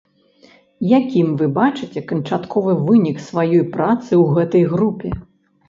Якім вы бачыце канчатковы вынік сваёй працы ў гэтай групе?